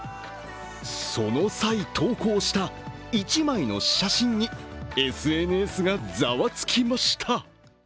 その際、投稿した１枚の写真にＳＮＳがざわつきました。